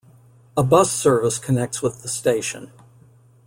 A bus service connects with the station.